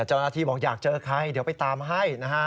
เจ้าหน้าที่บอกอยากเจอใครเดี๋ยวไปตามให้นะฮะ